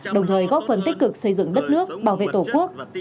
đồng thời góp phần tích cực xây dựng đất nước bảo vệ tổ quốc